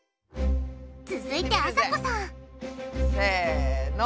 続いてあさこさんせの。